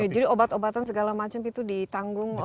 jadi obat obatan segala macam itu ditanggung oleh